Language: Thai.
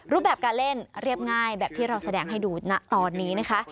รูปแบบการเล่นเรียบง่ายแบบที่เราแสดงให้ดูณตอนนี้นะคะ